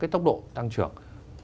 tốc độ tăng trưởng